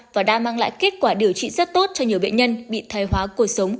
và đã mang lại kết quả điều trị rất tốt cho nhiều bệnh nhân bị thay hóa cổ sống